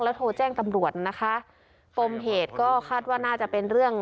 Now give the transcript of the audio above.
โทรแจ้งตำรวจนะคะปมเหตุก็คาดว่าน่าจะเป็นเรื่อง